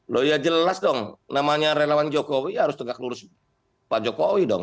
loh ya jelas dong namanya relawan jokowi harus tegak lurus pak jokowi dong